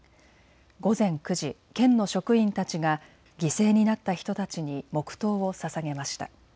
午前９時、県の職員たちが犠牲になった人たちに黙とうをささげました。